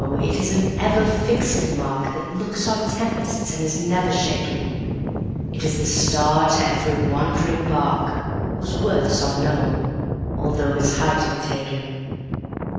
it is an ever fixed mark, That looks on tempests and is never shaken; It is the star to every wandering bark, Whose worth's unknown, although his height be taken.